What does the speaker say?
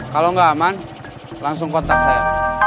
kalau nggak aman langsung kontak saya